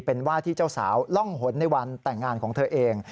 เป็นว่าที่เจ้าสาวล่องหนในวันแต่งงานของเธอเอง